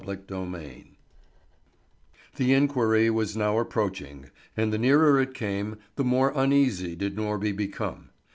CHAPTER IX THE inquiry was now approaching, and the nearer it came, the more uneasy did Norby become.